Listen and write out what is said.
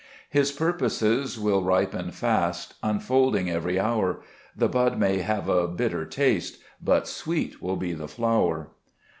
5 His purposes will ripen fast, Unfolding every hour ; The bud may have a bitter taste, But sweet will be the flower.